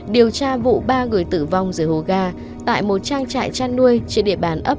điều tra vụ ba người tử vong dưới hồ ga tại một trang trại chăn nuôi trên địa bàn ấp